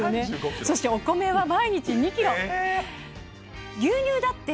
そしてお米は毎日２キロ。